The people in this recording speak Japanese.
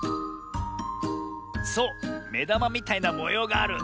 そうめだまみたいなもようがある。